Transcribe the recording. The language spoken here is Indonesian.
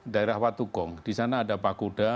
daerah wat tukong disana ada pak kuda